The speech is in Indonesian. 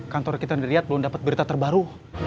kantor kita niriad belum dapet berita terbaru